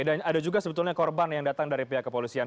dan ada juga sebetulnya korban yang datang dari pihak kepolisian